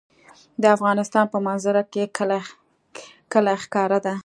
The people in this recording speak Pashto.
د افغانستان په منظره کې کلي ښکاره ده.